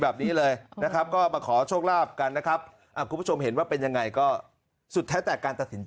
อ่าแต่แปลกจริงแปลกจริงครับผม